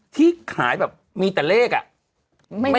ที่ขายแบบมีแต่เลขอ่ะ